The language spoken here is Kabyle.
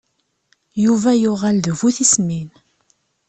Yuba yuɣal d bu tismin.